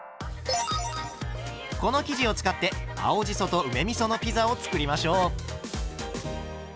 この生地を使って青じそと梅みそのピザを作りましょう。